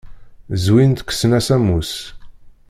Zwin-tt, kksen-as ammus.